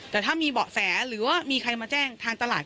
แต่ถ้ามีเบาะแสหรือว่ามีใครมาแจ้งทางตลาด